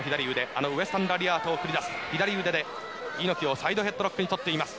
あのウエスタンラリアットを繰り出す左腕で猪木をサイドヘッドロックに取っています。